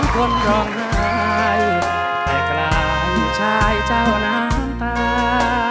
ใครกลายชายเจ้าน้ำตา